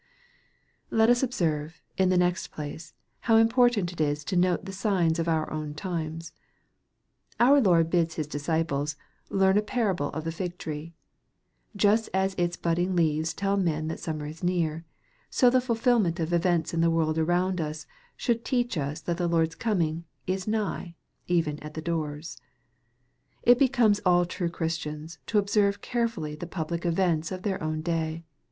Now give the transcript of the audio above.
Let us observe, in the next place, how important it is to note the signs of our own times. Our Lord bids His dis ciples "learn a parable of the fig tree." Just as its budding leaves tell men that summer is near, so the fulfil ment of events in the world around us, should teach us that the Lord's coming " is nigh, even at the doors/' It becomes all true Christians to observe carefully the public events of their own day.